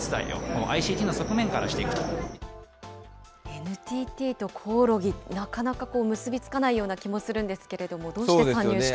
ＮＴＴとコオロギ、なかなか結び付かないような気もするんですけれども、どうして参入したんでしょう？